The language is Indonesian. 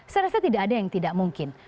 saya rasa tidak ada yang tidak mungkin